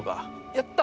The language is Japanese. やった！